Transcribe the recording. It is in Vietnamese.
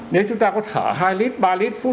nếu chúng ta có thở hai lít ba lít